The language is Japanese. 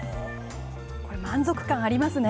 これ、満足感ありますね。